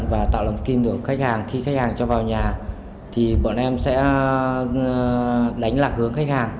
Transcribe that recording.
và tạo lòng tin của khách hàng khi khách hàng cho vào nhà thì bọn em sẽ đánh lạc hướng khách hàng